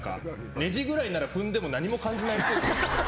ネジぐらいなら踏んでも何も感じないっぽい。